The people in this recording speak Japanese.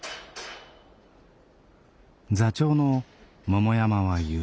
座長の桃山は言う。